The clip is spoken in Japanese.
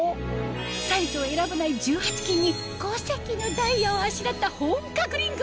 サイズを選ばない１８Ｋに５石のダイヤをあしらった本格リング